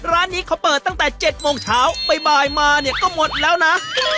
ร้านนี้เขาเปิดตั้งแต่๗โมงเช้าบ่ายมาเนี่ยก็หมดแล้วนะ